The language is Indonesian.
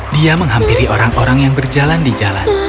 dia menghampiri orang orang yang berjalan di jalan